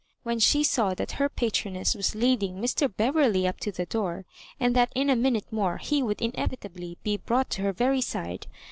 When she saw that her patroness was leading Mr. Beverley up to the door, and that in a minute more he would inevitably be brought to her very side.